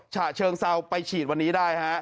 ฉะเชิงเซาไปฉีดวันนี้ได้ฮะ